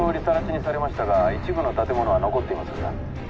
さら地にされましたが一部の建物は残っています